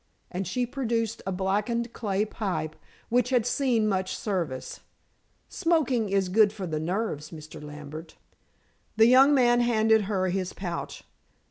and she produced a blackened clay pipe which had seen much service. "Smoking is good for the nerves, Mr. Lambert." The young man handed her his pouch.